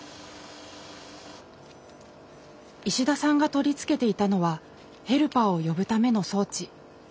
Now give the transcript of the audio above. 石田さんが取り付けていたのはヘルパーを呼ぶための装置。